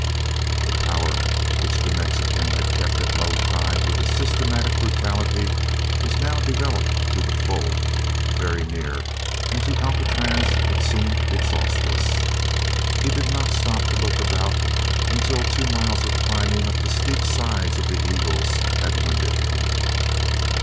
That power which the Mexican had kept at low tide with his systematic brutality was now developed to the full, very near; and to Alcatraz it seemed exhaustless. He did not stop to look about until two miles of climbing up the steep sides of the Eagles had winded him.